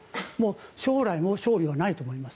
将来の勝利はないと思います。